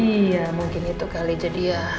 iya mungkin itu kali jadi ya